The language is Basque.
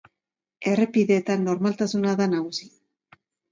Errepideetan normaltasuna da nagusi.